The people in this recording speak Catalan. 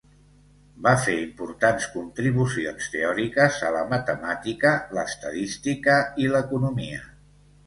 Va fer importants contribucions teòriques a la matemàtica, l'estadística i l'economia.